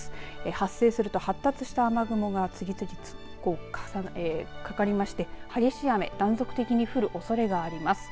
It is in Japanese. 発生すると発達した雨雲が次々とかかりまして激しい雨、断続的に降るおそれがあります。